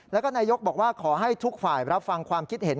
แล้วก็นายกบอกว่าขอให้ทุกฝ่ายรับฟังความคิดเห็น